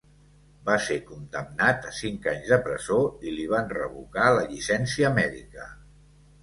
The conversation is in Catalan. Va ser condemnat a cinc anys de presó i li van revocar la llicència mèdica.